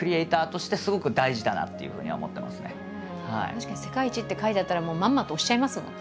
確かに「世界一」って書いてあったらもうまんまと押しちゃいますもん。